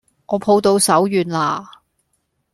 我抱到手軟啦